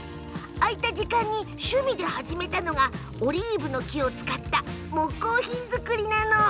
空いた時間に趣味で始めたのがオリーブの木を使った木工品作り。